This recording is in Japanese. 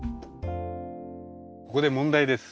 ここで問題です。